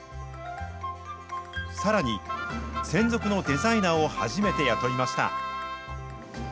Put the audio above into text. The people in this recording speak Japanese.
さらに、専属のデザイナーを初めて雇いました。